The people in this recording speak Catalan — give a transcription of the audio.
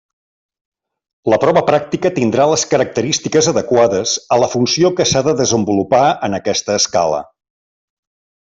La prova pràctica tindrà les característiques adequades a la funció que s'ha de desenvolupar en aquesta escala.